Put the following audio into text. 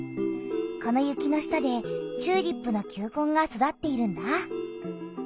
この雪の下でチューリップの球根が育っているんだ。